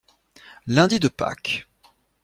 Lundi de Pâques.